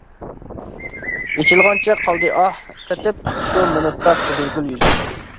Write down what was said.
ئېچىلغانچە قالدى ئاھ، قېتىپ، شۇ مىنۇتتا قىزىلگۈل يۈزى.